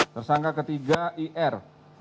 tersangka ketiga ir